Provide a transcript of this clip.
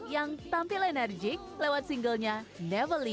yang tampil enerjik lewat singlenya never leave ya